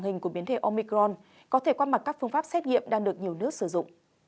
hình của biến thể omicron có thể qua mặt các phương pháp xét nghiệm đang được nhiều nước sử dụng